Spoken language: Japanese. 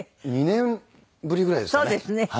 ２年ぶりぐらいですかね？